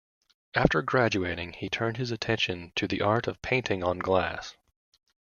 After graduating he turned his attention to the art of painting on glass.